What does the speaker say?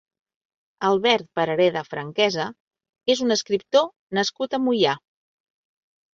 Albert Parareda Franquesa és un escriptor nascut a Moià.